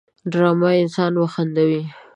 ډرامه انسان وخندوي